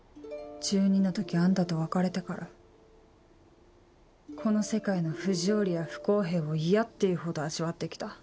１２の時あんたと別れてからこの世界の不条理や不公平を嫌っていうほど味わって来た。